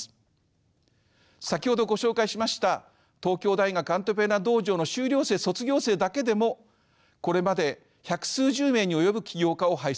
先ほどご紹介しました東京大学アントレプレナー道場の修了生卒業生だけでもこれまで百数十名に及ぶ起業家を輩出しています。